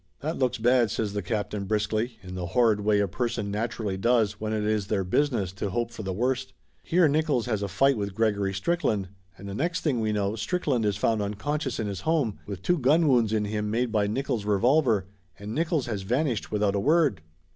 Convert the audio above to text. "That looks bad!" says the captain briskly, in the horrid way a person naturally does when it is their business to hope for the worst. "Here Nickolls has a fight with Gregory Strickland, and the next thing we know, Strickland is found unconscious in his home, with two gun wounds in him made by Nickolls' re volver, and Nickolls has vanished without a word